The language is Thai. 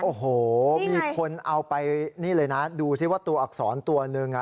โอ้โหมีคนเอาไปนี่เลยนะดูซิว่าตัวอักษรตัวหนึ่ง